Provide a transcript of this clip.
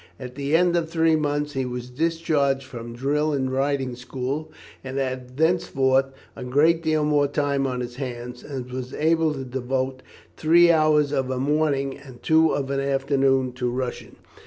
At the end of three months he was discharged from drill and riding school, and had thenceforth a great deal more time on his hands, and was able to devote three hours of a morning and two of an afternoon to Russian.